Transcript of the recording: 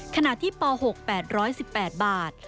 ขณะที่ป๖๘๑๘บาท